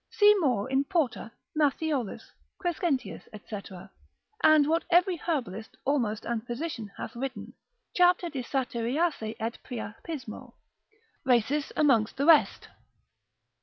See more in Porta, Matthiolus, Crescentius lib. 5. &c., and what every herbalist almost and physician hath written, cap. de Satyriasi et Priapismo; Rhasis amongst the rest.